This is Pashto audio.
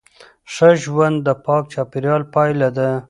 ښه ژوند د پاک چاپیریال پایله ده.